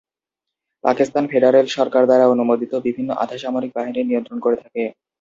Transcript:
Pakistan federal সরকার দ্বারা অনুমোদিত বিভিন্ন আধাসামরিক বাহিনী নিয়ন্ত্রণ করে থাকে।